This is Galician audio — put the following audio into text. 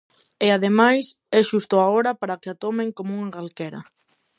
E ademais, é xusto a hora para que a tomen por unha calquera.